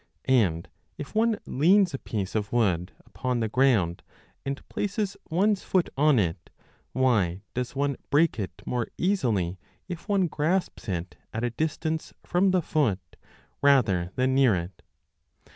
And if one leans a piece of wood upon the ground and places one s foot on it, why does one break it 25 more easily if one grasps it at a distance from the foot rather than near it